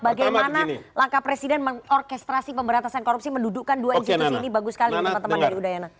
bagaimana langkah presiden mengorkestrasi pemberantasan korupsi mendudukkan dua institusi ini bagus sekali teman teman dari udayana